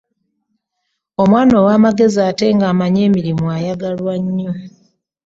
Omwana owa magezi ate nga amanyi emirimu ayagalwa nyo.